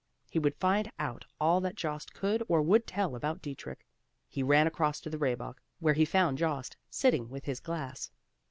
He would find out all that Jost could or would tell about Dietrich. He ran across to the Rehbock, where he found Jost sitting with his glass.